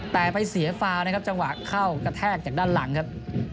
แต่ไปเสียฟาวนะครับจังหวะเข้ากระแทกจากด้านหลังครับ